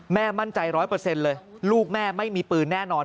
แม่มั่นใจร้อยเปอร์เซ็นต์เลยลูกแม่ไม่มีปืนแน่นอน